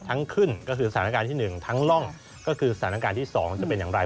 ทั้งขึ้นก็คือสถานการณ์ที่๑ทั้งร่องก็คือสถานการณ์ที่๒จะเป็นอย่างไร